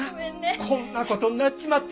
こんなことになっちまって